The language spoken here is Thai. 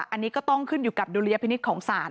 อันนี้ก็ต้องขึ้นอยู่กับดุลยพินิษฐ์ของศาล